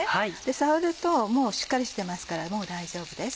触るとしっかりしてますからもう大丈夫です。